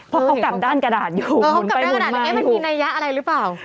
เพราะเขากลับด้านกระดาษอยู่วนไปวนมาอยู่พอมันมีระยะอะไรรึเปล่า